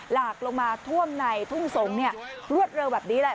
หลากลงมาท่วมในทุ่งสงศ์รวดเร็วแบบนี้แหละ